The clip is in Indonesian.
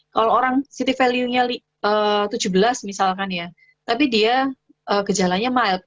kalau orang city value nya tujuh belas misalkan ya tapi dia gejalanya mild